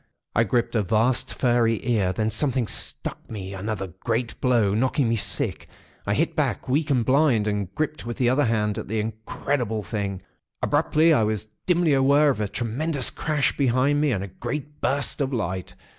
I gripped a vast, furry ear. Then something struck me another great blow, knocking me sick. I hit back, weak and blind, and gripped with my other hand at the incredible thing. Abruptly, I was dimly aware of a tremendous crash behind me, and a great burst of light.